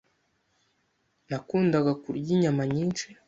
Nakundaga kurya inyama nyinshi.